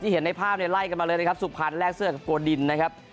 เห็นในภาพเนี่ยไล่กันมาเลยนะครับสุพรรณแลกเสื้อกับโกดินนะครับ